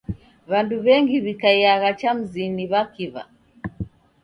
W'andu w'engi w'ikaiagha cha mzinyi ni w'akiw'a.